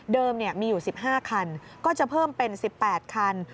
มีอยู่๑๕คันก็จะเพิ่มเป็น๑๘คัน